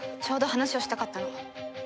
ちょうど話をしたかったの。